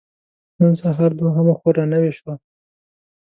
نن سهار دوهمه خور را نوې شوه.